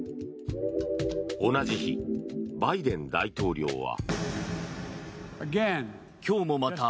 同じ日、バイデン大統領は。